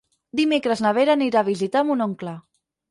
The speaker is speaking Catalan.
Dimecres na Vera anirà a visitar mon oncle.